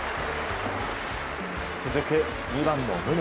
続く２番の宗。